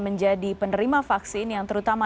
menjadi penerima vaksin yang terutama